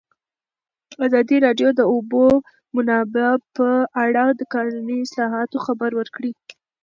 ازادي راډیو د د اوبو منابع په اړه د قانوني اصلاحاتو خبر ورکړی.